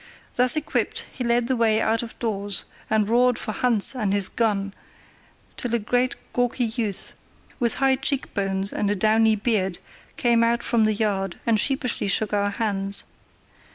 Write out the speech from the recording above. Thus equipped, he led the way out of doors, and roared for Hans and his gun, till a great gawky youth, with high cheek bones and a downy beard, came out from the yard and sheepishly shook our hands.